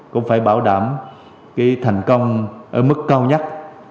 cũng phải bảo đảm cái thành công ở mức cao nhất